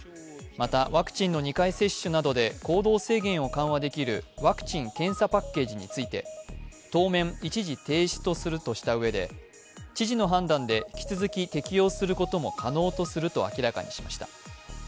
また、ワクチンの２回接種などで行動制限を緩和できるワクチン・検査パッケージについて当面一時停止するとしたうえで知事の判断で引き続き適用することも可能とすると明らかにしました。